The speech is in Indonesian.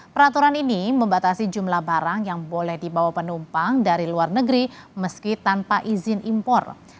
peraturan ini membatasi jumlah barang yang boleh dibawa penumpang dari luar negeri meski tanpa izin impor